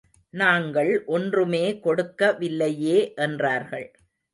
நாங்கள் ஒன்றுமே கொடுக்க வில்லையே என்றார்கள்.